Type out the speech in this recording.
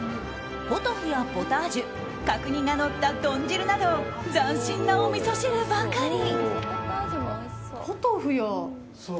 ポトフやポタージュ角煮がのった豚汁など斬新なおみそ汁ばかり。